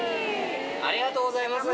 ありがとうございます！